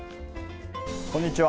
こんにちは。